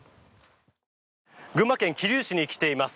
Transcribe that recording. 群馬県桐生市に来ています。